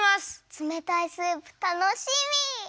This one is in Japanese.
つめたいスープたのしみ！